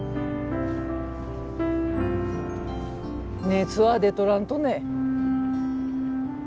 熱は出とらんとね？